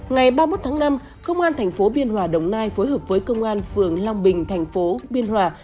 ngày ba mươi một tháng năm công an thành phố biên hòa đồng nai phối hợp với công an phường long bình thành phố biên hòa